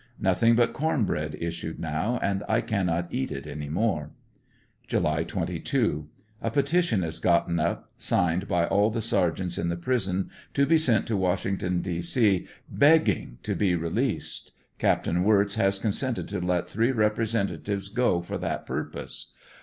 Nothing but corn bread issu.d now and I cannot eat it any more. July 22. — A petition is gotten up signed by all the sergeants in the prison, to be sent to Washington, D. C, begging to be released. Capt. Wirtz has consented to let three representatives go for that puipose.